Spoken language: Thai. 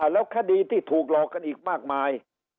แล้วคดีที่ถูกหลอกกันอีกมากมาย